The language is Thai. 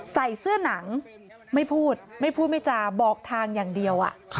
ใส่เสื้อหนังไม่พูดไม่พูดไม่จาบอกทางอย่างเดียว